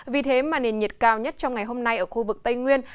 vì thế mà nền nhiệt cao nhất trong ngày hôm nay ở khu vực tây nguyên